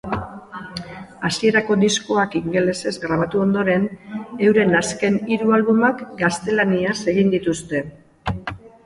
Hasierako diskoak ingelesez grabatu ondoren, euren azken hiru albumak gaztelaniaz egin dituzte.